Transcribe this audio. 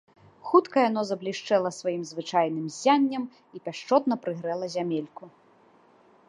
Хутка яно заблішчэла сваім звычайным ззяннем і пяшчотна прыгрэла зямельку.